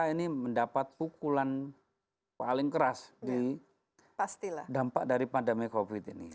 ini mendapat pukulan paling keras di dampak dari pandemi covid ini